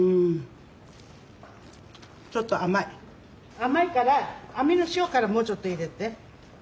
甘いからアミの塩辛もうちょっと入れて。